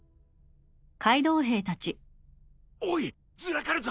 おいずらかるぞ！